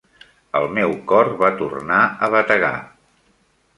El meu cor va tornar a bategar.